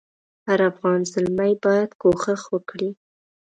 هر افغان زلمی باید کوښښ وکړي.